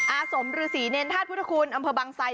อาสมฤษีเนรธาตุพุทธคุณอำเภอบางไซ